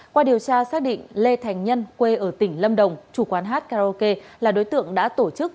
qua điều tra xác định lê thành nhân quê ở tỉnh lâm đồng chủ quán karaoke là đối tượng đã tổ chức